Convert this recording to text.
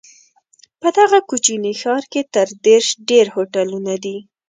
په دغه کوچني ښار کې تر دېرش ډېر هوټلونه دي.